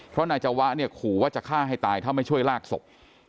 เพราะนายจวะเนี่ยขู่ว่าจะฆ่าให้ตายถ้าไม่ช่วยลากศพ